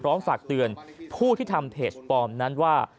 ฝากเตือนผู้ที่ทำเพจปลอมนั้นว่า